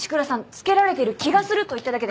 つけられている気がすると言っただけで。